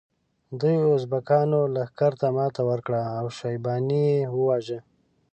دوی ازبکانو لښکر ته ماته ورکړه او شیباني یې وواژه.